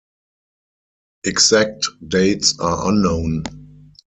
Exact dates are unknown.